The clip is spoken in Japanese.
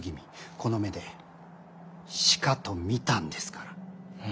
この目でしかと見たんですから。